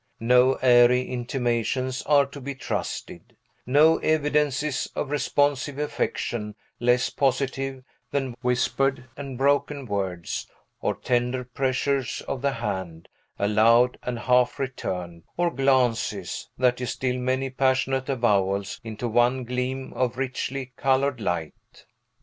No airy intimations are to be trusted; no evidences of responsive affection less positive than whispered and broken words, or tender pressures of the hand, allowed and half returned; or glances, that distil many passionate avowals into one gleam of richly colored light.